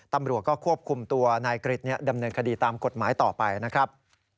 ตำรวจก็ควบคุมตัวนายกริจดำเนินคดีตามกฎหมายต่อไปนะครับ